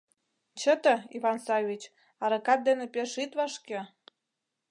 Чыте, Иван Саввич, аракат дене пеш ит вашке!